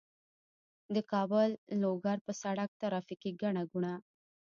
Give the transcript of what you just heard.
د کابل- لوګر په سړک ترافیکي ګڼه ګوڼه